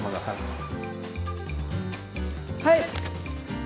はい！